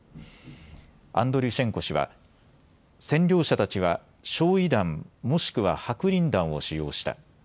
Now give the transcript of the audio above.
アンドリュシェンコ氏は占領者たちは焼い弾、もしくは白リン弾を使用した。